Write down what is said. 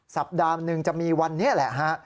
สัปดาห์หนึ่งจะมีวันนี้แหละฮะ